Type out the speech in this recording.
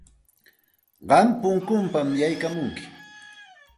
Qam punkunpam yaykamunki.